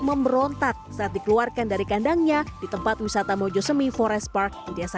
memberontak saat dikeluarkan dari kandangnya di tempat wisata mojosemi forest park di desa